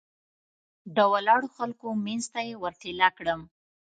د ولاړو خلکو منځ ته یې ور ټېله کړم.